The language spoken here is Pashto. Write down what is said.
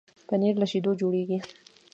پنېر له شيدو جوړېږي.